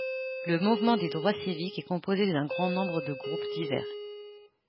Le Mouvement des droits civiques est composé d'un grand nombre de groupes divers.